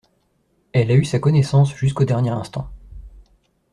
Elle a eu sa connaissance jusqu'au dernier instant.